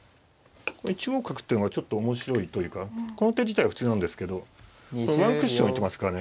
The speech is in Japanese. １五角ってのはちょっと面白いというかこの手自体は普通なんですけどワンクッション置いてますからね。